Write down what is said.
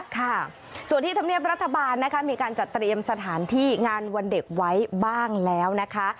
ค่ะส่วนที่ธรรมเนียบรัฐบาลนะคะมีการจัดเตรียมสถานที่งานวันเด็กไว้บ้างแล้วนะคะ